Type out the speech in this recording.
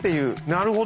なるほど。